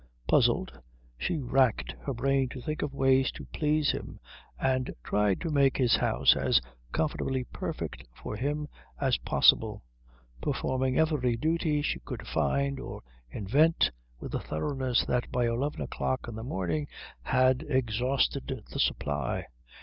Puzzled, she racked her brain to think of ways to please him, and tried to make his house as comfortably perfect for him as possible, performing every duty she could find or invent with a thoroughness that by eleven o'clock in the morning had exhausted the supply.